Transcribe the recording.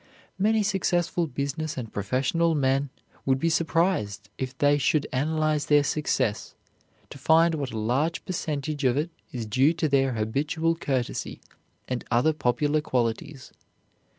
Many successful business and professional men would be surprised, if they should analyze their success, to find what a large percentage of it is due to their habitual courtesy and other popular qualities.